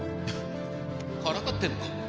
からかってるのか？